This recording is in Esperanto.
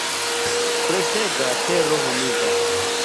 Freŝega tero humida.